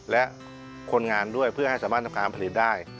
และคนงานด้วยเพื่อให้สามารถทำการผลิตได้